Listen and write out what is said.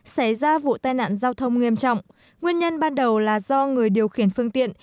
xảy ra vụ tai nạn giao thông nghiêm trọng nguyên nhân ban đầu là do người điều khiển phương tiện